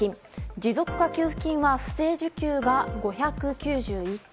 持続化給付金は不正受給が５９１件